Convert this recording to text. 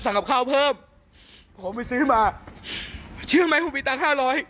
กับข้าวเพิ่มผมไปซื้อมาเชื่อไหมผมมีตังค์ห้าร้อย